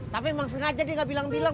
tapi emang sengaja dia gak bilang bilang